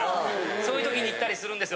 そういう時に行ったりするんですよ。